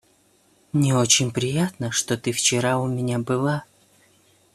Мне очень приятно, что ты вчера у меня была.